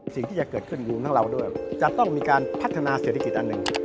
สิ่งที่จะเกิดขึ้นรวมทั้งเราด้วยจะต้องมีการพัฒนาเศรษฐกิจอันหนึ่ง